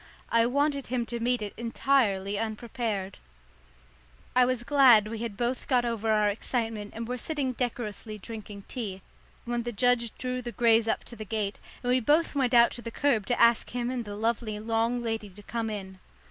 I wanted him to meet it entirely unprepared. I was glad we had both got over our excitement and were sitting decorously drinking tea, when the judge drew the greys up to the gate, and we both went out to the kerb to ask him and the lovely long lady to come in.